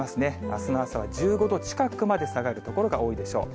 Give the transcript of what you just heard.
あすの朝は１５度近くまで下がる所が多いでしょう。